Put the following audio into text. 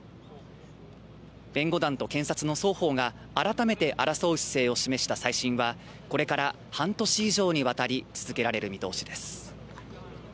弁護団と検察の双方が改めて争う姿勢を示した再審は、これから半年以上にわたり続けられる見通しです。